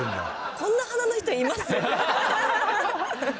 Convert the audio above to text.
こんな鼻の人います？